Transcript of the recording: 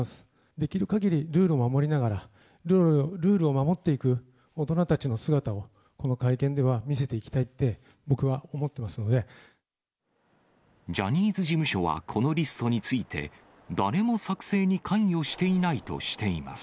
できるかぎりルールを守りながら、ルールを守っていく大人たちの姿を、この会見では見せていきたいジャニーズ事務所はこのリストについて、誰も作成に関与していないとしています。